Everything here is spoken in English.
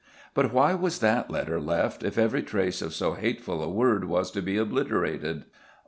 But why was that letter left if every trace of so hateful a word was to be obliterated?